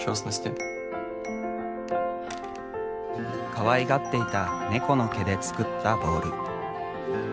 かわいがっていたネコの毛で作ったボール。